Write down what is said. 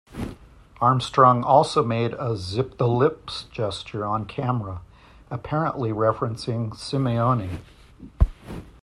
Armstrong also made a "zip-the-lips" gesture on camera, apparently referencing Simeoni.